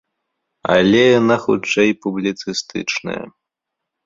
Але яна хутчэй публіцыстычная.